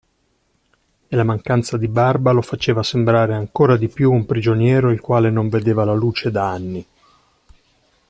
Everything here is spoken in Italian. E la mancanza di barba lo faceva sembrare ancora di più un prigioniero il quale non vedeva la luce da anni.